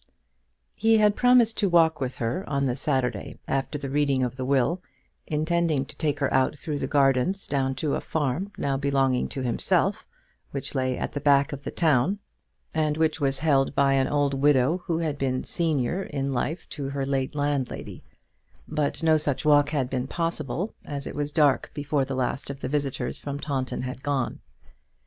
He had promised to walk with her on the Saturday after the reading of the will, intending to take her out through the gardens down to a farm, now belonging to himself, which lay at the back of the town, and which was held by an old widow who had been senior in life to her late landlady; but no such walk had been possible, as it was dark before the last of the visitors from Taunton had gone.